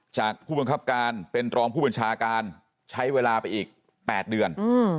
ผู้บังคับการเป็นรองผู้บัญชาการใช้เวลาไปอีก๘เดือน